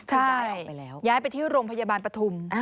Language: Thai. ใช่ย้ายไปที่โรงพยาบาลปฐุม